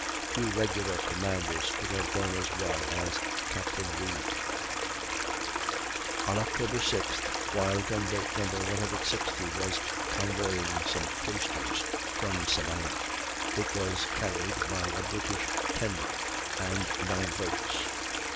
Few regular commanders could have done as well as Captain Reid. On October 6th, while Gun boat No. 160 was convoying some coasters from Savannah, it was carried by a British tender and nine boats.